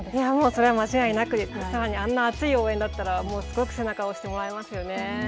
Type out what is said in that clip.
それは間違いなくさらにあんな熱い応援だったらすごく背中を押してもらえますよね。